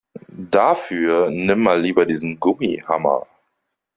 Dafür nimm mal lieber diesen Gummihammer.